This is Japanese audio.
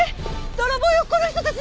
泥棒よこの人たち！